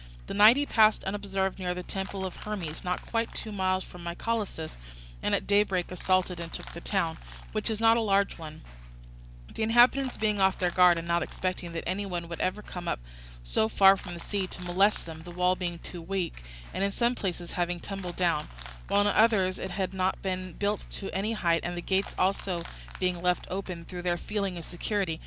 The night he passed unobserved near the temple of Hermes, not quite two miles from Mycalessus, and at daybreak assaulted and took the town, which is not a large one; the inhabitants being off their guard and not expecting that any one would ever come up so far from the sea to molest them, the wall too being weak, and in some places having tumbled down, while in others it had not been built to any height, and the gates also being left open through their feeling of security.